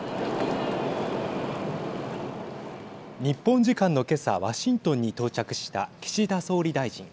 日本時間の今朝ワシントンに到着した岸田総理大臣。